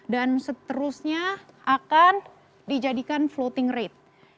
dan seterusnya akan dijadikan floating rate